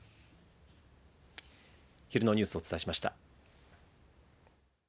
昼のニュースをお伝えしました。